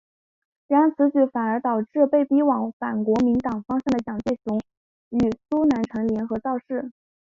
然而此举反而导致被逼往反国民党方向的蔡介雄与苏南成联合造势。